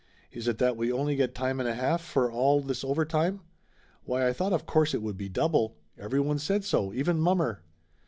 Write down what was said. "Is it that we only get time and a half for all this over time? Why, I thought of course it would be double! Everyone said so, even mommer!"